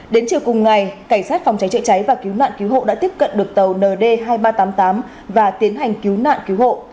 đến chiều cùng ngày cảnh sát phòng cháy chữa cháy và cứu nạn cứu hộ đã tiếp cận được tàu nd hai nghìn ba trăm tám mươi tám và tiến hành cứu nạn cứu hộ